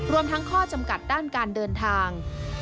รวมทั้งข้อจำกัดด้านการเดินทาง